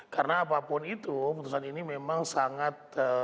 karena apapun itu putusan ini memang sangat